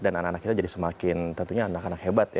dan anak anak kita jadi semakin tentunya anak anak hebat ya